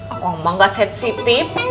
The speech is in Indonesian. aku emang gak sensitif